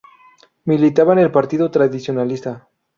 Militaba en el partido tradicionalista.